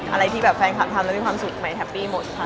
อะไรที่แบบแฟนคลับทำแล้วมีความสุขใหม่แฮปปี้หมดค่ะ